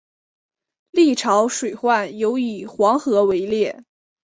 历朝水患尤以黄河为烈。